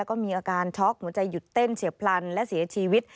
ก็มีอาการช็อกหัวใจหยุดเต้นเฉียบพลันและเสียชีวิต